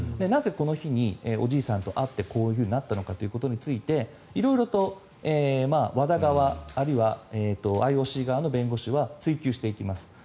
なぜこの日におじいさんと会ってこういうふうになったのかということについて色々とＷＡＤＡ側あるいはＩＯＣ側の弁護士は追及していきます。